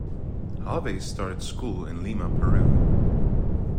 Hawes started school in Lima, Peru.